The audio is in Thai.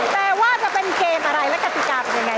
แต่ว่าจะเป็นเกมอะไรและกติกาเป็นยังไง